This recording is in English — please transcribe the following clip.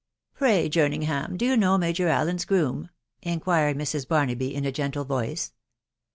" Pray, Jerningham, do you know Major Allen's groom ?" inquired Mrs. Barnaby in a gentle voice.